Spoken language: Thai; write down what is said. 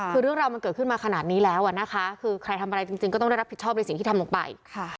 คือเรื่องราวมันเกิดขึ้นมาขนาดนี้แล้วนะคะคือใครทำอะไรจริงก็ต้องได้รับผิดชอบในสิ่งที่ทำลงไป